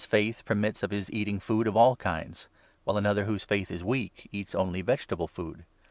faith permits of his eating food of all kinds, while another whose faith is weak eats only vegetable food.